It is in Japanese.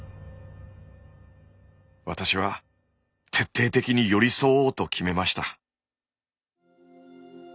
私は徹底的に寄り添おうと決めました。